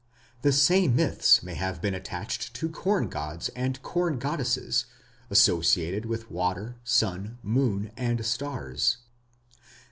The same myths may have been attached to corn gods and corn goddesses, associated with water, sun, moon, and stars.